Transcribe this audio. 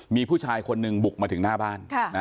มีผู้ชายคนหนึ่งบุกมาถึงหน้าบ้าน